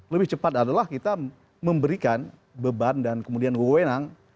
lebih cepat adalah kita memberikan beban dan kemudian wewenang